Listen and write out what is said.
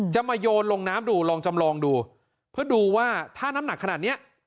จะมาโยนลงน้ำดูลองจำลองดูเพื่อดูว่าถ้าน้ำหนักขนาดเนี้ย